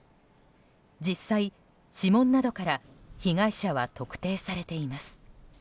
実際、指紋などから被害者は特定されています。